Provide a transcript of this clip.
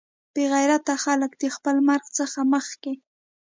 بې غیرته خلک د خپل مرګ څخه مخکې.